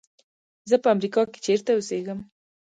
زه په امریکا کې چېرته اوسېږم.